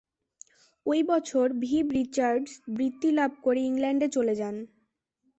ঐ বছরে Viv Richards বৃত্তি লাভ করে ইংল্যান্ডে চলে যান।